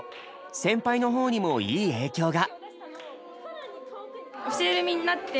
先輩の方にもいい影響が。